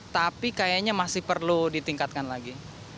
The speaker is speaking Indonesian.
tapi kayaknya masih perlu ditingkatkan lagi